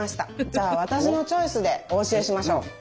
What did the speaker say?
じゃあ私のチョイスでお教えしましょう。